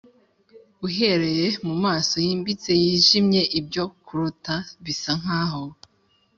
uhereye mumaso yimbitse, yijimye, ibyo kurota bisa nkaho,